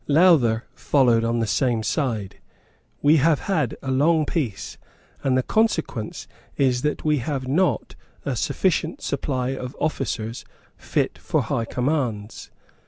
Lowther followed on the same side. "We have had a long peace; and the consequence is that we have not a sufficient supply of officers fit for high commands.